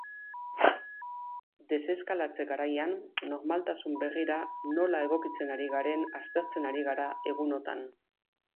Deseskalatze garaian normaltasun berrira nola egokitzen ari garen aztertzen ari gara egunotan.